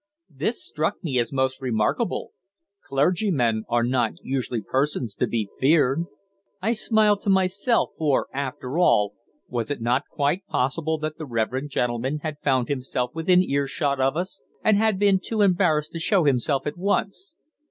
This struck me as most remarkable. Clergymen are not usually persons to be feared. I smiled to myself, for, after all, was it not quite possible that the reverend gentleman had found himself within earshot of us, and had been too embarrassed to show himself at once?